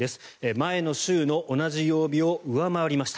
前の週の同じ曜日を上回りました。